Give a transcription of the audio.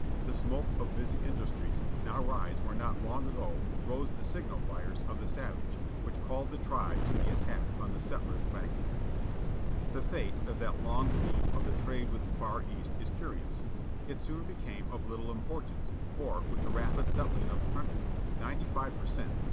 The smoke of busy industries now rise where not long ago rose the signal fires of the savage, which called the tribe to the attack on the settler's wagon train 37 " '^J â ^^; ,a>. HARVESTING THE WHEAT 38 THE GREAT WEST The fate of that long dream of the trade with the Far East is curious. It soon became of Uttle importance, for, with the rapid settUng of the country, ninety five per cent.